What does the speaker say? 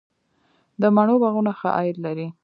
د مڼو باغونه ښه عاید لري؟